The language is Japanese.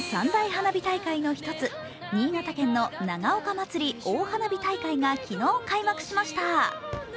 日本三大花火大会の１つ、新潟県の長岡まつり大花火大会が昨日、開幕しました。